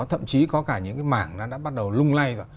thậm chí có cả những mảng đã bắt đầu lung lay